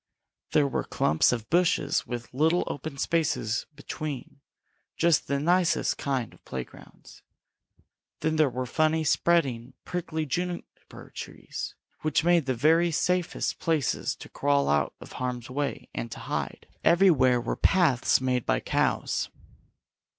There were clumps of bushes with little open spaces between, just the nicest kind of playgrounds. Then there were funny spreading, prickly juniper trees, which made the very safest places to crawl out of harm's way and to hide. Everywhere were paths made by cows.